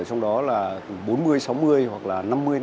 ở trong đó là bốn mươi sáu mươi hoặc là năm mươi năm mươi